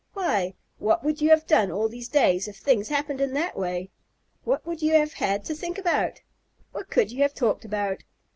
"Why, what would you have done all these days if things happened in that way? What would you have had to think about? What could you have talked about?"